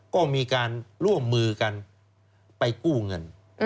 ก็มีการร่วมมือกันไปกู้เงิน